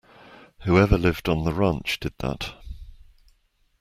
Whoever lived on the ranch did that.